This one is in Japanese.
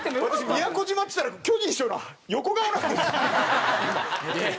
宮古島っつったら巨人師匠の横顔なんです。